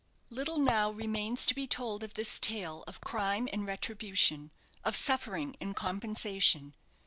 Little now remains to be told of this tale of crime and retribution, of suffering and compensation.